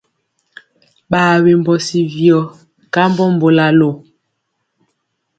Ɓaa wembɔ si viyɔ kambɔ mbolalo.